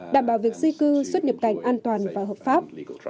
đảm bảo việc di cư xuất nhập cảnh an toàn và hợp pháp